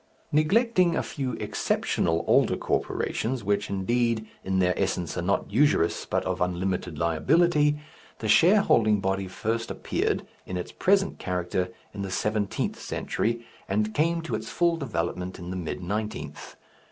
Neglecting a few exceptional older corporations which, indeed, in their essence are not usurious, but of unlimited liability, the shareholding body appeared first, in its present character, in the seventeenth century, and came to its full development in the mid nineteenth.